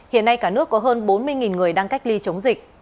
hiện nay cả nước có hơn bốn mươi người đang cách ly chống dịch